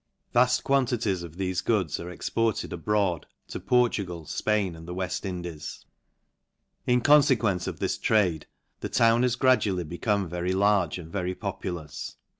Vail: quantities of thefe goods are exported abroad to Pgrtugaly Spain, and the IFeJhfadks* . In LANCASHIRE. 277 .In ccnfequence of this trade the town has gra dually become very large, and very populous.